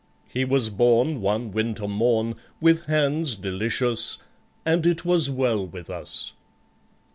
He was born one winter morn With hands delicious, And it was well with us.